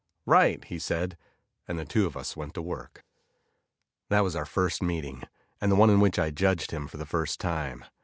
"Right," he said, and the two of us went to work. That was our first meeting, and the one in which I judged him for the first time.